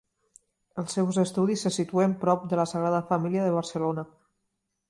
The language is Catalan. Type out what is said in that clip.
Els seus estudis se situen prop de la Sagrada Família de Barcelona.